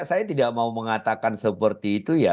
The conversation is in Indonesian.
saya tidak mau mengatakan seperti itu ya